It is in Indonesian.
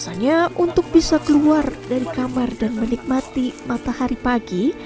biasanya untuk bisa keluar dari kamar dan menikmati matahari pagi